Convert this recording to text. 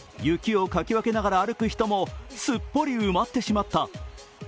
雪をかき分けながら歩く人もすっぽり埋もってしまった。